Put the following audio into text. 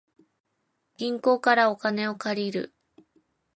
銀行からお金を借りる